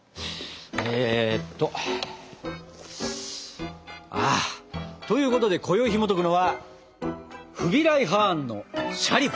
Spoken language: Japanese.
えっと。ということでこよいひもとくのは「フビライ・ハーンのシャリバ」。